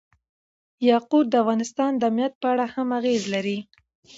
یاقوت د افغانستان د امنیت په اړه هم اغېز لري.